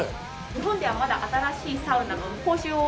日本ではまだ新しいサウナの講習を。